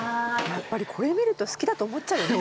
やっぱりこれ見ると好きだと思っちゃうよね